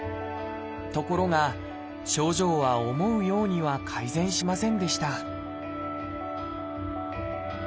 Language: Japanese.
ところが症状は思うようには改善しませんでした